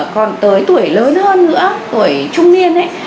còn tới tuổi lớn hơn nữa tuổi trung niên ấy